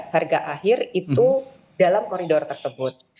harga akhir itu dalam koridor tersebut